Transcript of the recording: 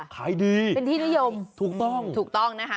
ขายดีเป็นที่นิยมถูกต้อง